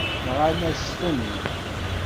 Nɣan-as-ten.